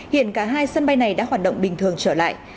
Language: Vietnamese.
hiện cả hai sân bay này đã hoạt động bình thường trở lại